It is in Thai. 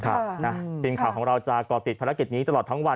ทีมข่าวของเราจะก่อติดภารกิจนี้ตลอดทั้งวัน